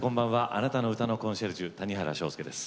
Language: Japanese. あなたの歌のコンシェルジュ谷原章介です。